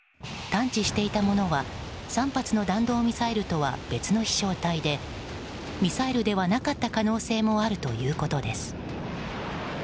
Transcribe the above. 探知していたものは３発の弾道ミサイルとは別の飛翔体でミサイルではなかった可能性もあるということです。